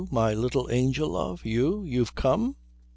My little angel love you? You've come?"